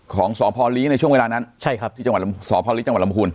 ของสพลีในช่วงเวลานั้นใช่ครับที่จังหวัดสพฤทจังหวัดลำพูน